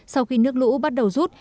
sau khi nước lũ bắt đầu rút